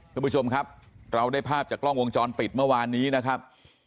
คุณผู้ชมครับเราได้ภาพจากกล้องวงจรปิดเมื่อวานนี้นะครับ